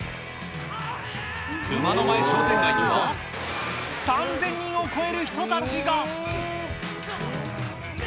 熊野前商店街には、３０００人を超える人たちが。